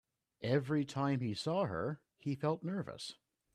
Every time he saw her, he felt nervous.